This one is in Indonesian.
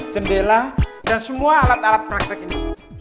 jendela dan semua alat alat praktek ini